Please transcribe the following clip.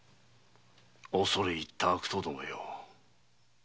恐れ入った悪党どもよ。